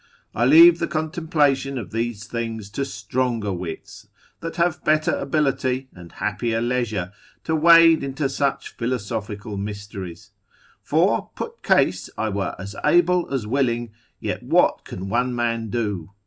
I leave the contemplation of these things to stronger wits, that have better ability, and happier leisure to wade into such philosophical mysteries; for put case I were as able as willing, yet what can one man do?